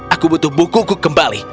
aku butuh bukuku kembali